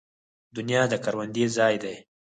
دنیا د کروندې ځای دی